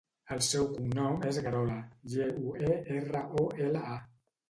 El seu cognom és Guerola: ge, u, e, erra, o, ela, a.